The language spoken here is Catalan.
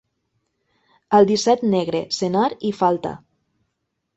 Al disset, negre, senar i falta.